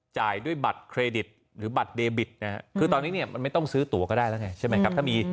จ่ายด้วยบัตรเครดิตหรือบัตรเดบิตนะฮะคือตอนนี้เนี่ยมันไม่ต้องซื้อตัวก็ได้แล้วไงใช่ไหมครับ